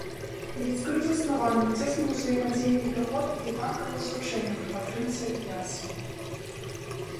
Бліцкрыг заснаваны на цесным узаемадзеянні пяхотных і танкавых злучэнняў пры падтрымцы авіяцыі.